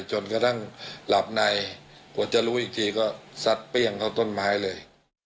จนกระทั่งหลับในกว่าจะรู้อีกทีก็ซัดเปรี้ยงเข้าต้นไม้เลย